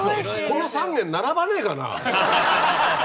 この３軒並ばねえかな？